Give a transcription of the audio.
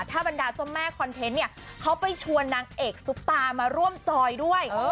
ถ้าบรรดาเจ้าแม่คอนเทนต์เนี่ยเขาไปชวนนางเอกซุปตามาร่วมจอยด้วย